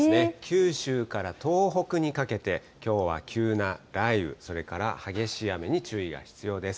九州から東北にかけて、きょうは急な雷雨、それから激しい雨に注意が必要です。